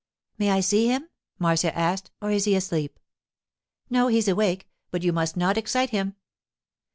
'May I see him?' Marcia asked, 'or is he asleep?' 'No, he's awake; but you must not excite him.